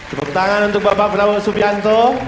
tepuk tangan untuk bapak prabowo subianto